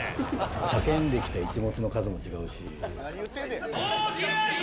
叫んできたイチモツの数も違うし。